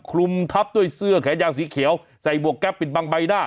คลุมทับด้วยเสื้อแขนยาวสีเขียวใส่หมวกแก๊ปปิดบังใบหน้า